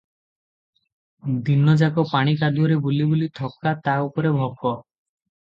ଦିନ ଯାକ ପାଣି କାଦୁଅରେ ବୁଲିବୁଲି ଥକା, ତା' ଉପରେ ଭୋକ!